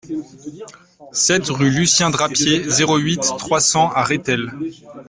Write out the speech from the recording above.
sept rue Lucien Drapier, zéro huit, trois cents à Rethel